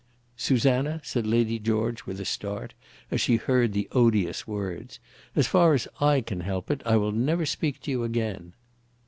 "Susanna," said Lady George, with a start as she heard the odious words, "as far as I can help it, I will never speak to you again."